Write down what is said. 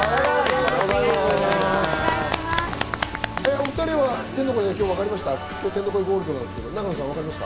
お２人は天の声さん、分かりました？